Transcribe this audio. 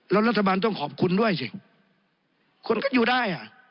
แล้วรัฐบาลต้องขอบคุณด้วยสิคนก็อยู่ได้อ่ะ